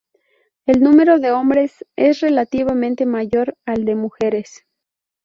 El número de hombres es relativamente mayor al de mujeres.